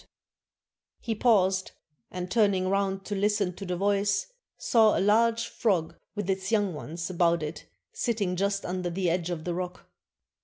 '^ He paused, and turning round to listen to the voice, saw a large frog with its young ones about it sitting just under the edge of the rock.